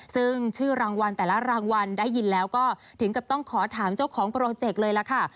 ซึ่งชื่อรางวัลแต่ละรางวัลได้ยินแล้วก็ถึงกับต้องขอถามเจ้าของโปรเจกต์เลยล่ะค่ะ